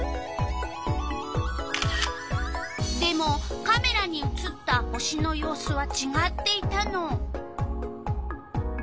でもカメラに写った星の様子はちがっていたの。